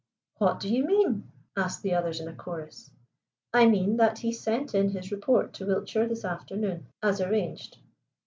"What do you mean?" asked the others in a chorus. "I mean that he sent in his report to Wiltshire this afternoon, as arranged.